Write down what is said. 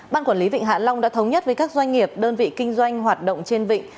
ban quản lý vịnh hạ long đã thống nhất với các doanh nghiệp đơn vị kinh doanh hoạt động trên vịnh